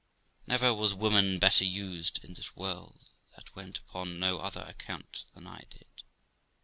Never was woman better used in this world that went upon no other account than I did.